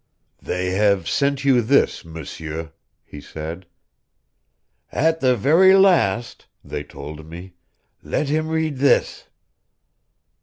"They have sent you this, M'seur," he said. "'At the very last,' they told me, 'let him read this.'"